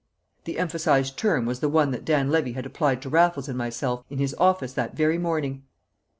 The emphasised term was the one that Dan Levy had applied to Raffles and myself in his own office that very morning.